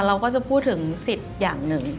เราก็จะพูดถึงสิทธิ์อย่างหนึ่ง